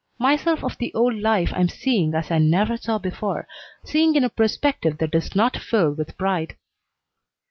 Myself of the old life I am seeing as I never saw before, seeing in a perspective that does not fill with pride.